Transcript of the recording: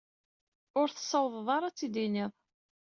Ur tessawḍeḍ ara ad t-id-tiniḍ.